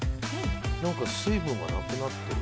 なんか水分がなくなってる。